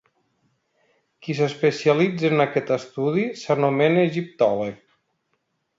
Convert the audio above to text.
Qui s'especialitza en aquest estudi s'anomena egiptòleg.